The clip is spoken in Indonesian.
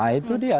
nah itu dia